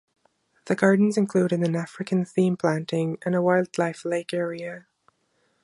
The gardens included an African theme planting and a wildlife lake area.